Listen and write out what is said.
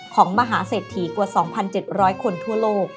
ของมหาเศรษฐีกว่า๒๗๐๐คนทั่วโลก